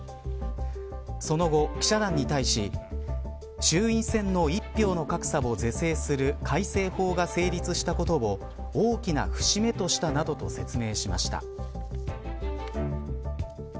その後、記者団に対し衆院選の１票の格差を是正する改正法が成立したことを大きな節目としたなどと説明しました。